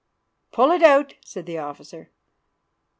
"'Pull it out,' said the officer.